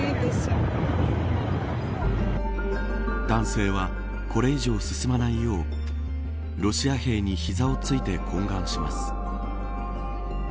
男性は、これ以上進まないようロシア兵に膝をついて懇願します。